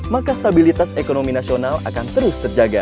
maka stabilitas ekonomi nasional akan terus terjaga